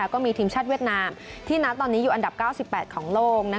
ก็มีทีมชาติเวียดนามที่ตอนนี้อยู่อันดับ๙๘ของโลก